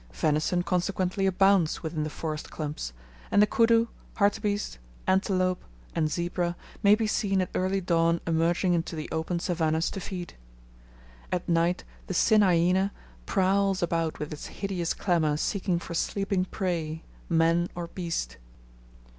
Venison, consequently, abounds within the forest clumps, and the kudu, hartebeest, antelope, and zebra may be seen at early dawn emerging into the open savannahs to feed. At night, the cyn hyaena prowls about with its hideous clamour seeking for sleeping prey, man or beast.